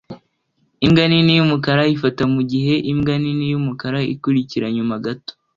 Imbwa nini yumukara ifata mugihe imbwa nini yumukara ikurikira nyuma gato